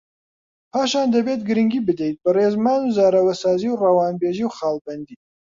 پاشان دەبێت گرنگی بدەیت بە ڕێزمان و زاراوەسازی و ڕەوانبێژی و خاڵبەندی